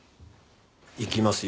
行きますよ。